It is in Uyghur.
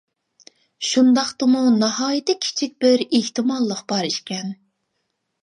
شۇنداقتىمۇ ناھايىتى كىچىك بىر ئېھتىماللىق بار ئىكەن.